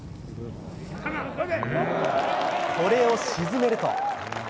これを沈めると。